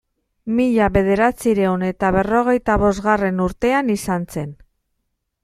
Mila bederatziehun eta berrogeita bosgarren urtean izan zen.